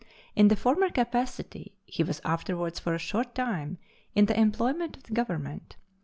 In the former capacity, he was afterwards for a short time in the employment of the Government.